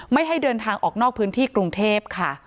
ไม่ให้เดินทางออกนอกพื้นที่กรุงเทพค่ะ